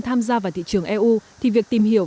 tham gia vào thị trường eu thì việc tìm hiểu